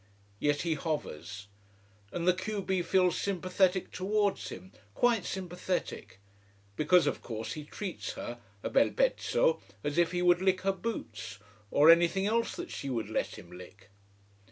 Yet he hovers. And the q b feels sympathetic towards him: quite sympathetic. Because of course he treats her a bel pezzo as if he would lick her boots, or anything else that she would let him lick.